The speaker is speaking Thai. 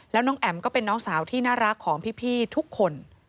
แล้วน้องแอ๋มก็เป็นน้องสาวที่น่ารักของพี่ทุกคน